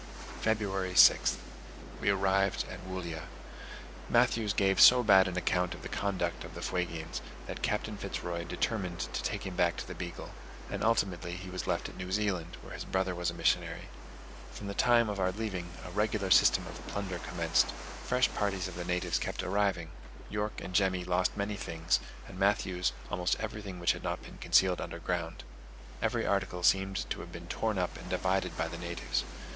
February 6th. We arrived at Woollya. Matthews gave so bad an account of the conduct of the Fuegians, that Captain Fitz Roy determined to take him back to the Beagle; and ultimately he was left at New Zealand, where his brother was a missionary. From the time of our leaving, a regular system of plunder commenced; fresh parties of the natives kept arriving: York and Jemmy lost many things, and Matthews almost everything which had not been concealed underground. Every article seemed to have been torn up and divided by the natives.